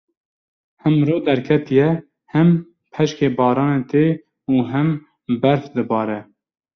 Him ro derketiye, him peşkê baranê tê û him berf dibare.